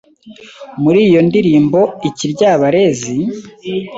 Muri iyo ndirimbo Ikiryabarezi …